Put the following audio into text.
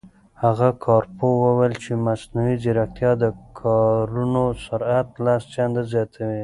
هغه کارپوه وویل چې مصنوعي ځیرکتیا د کارونو سرعت لس چنده زیاتوي.